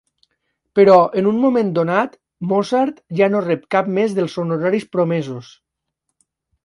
Però en un moment donat Mozart ja no rep cap més dels honoraris promesos.